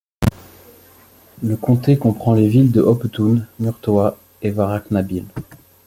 Le comté comprend les villes de Hopetoun, Murtoa et Warracknabeal.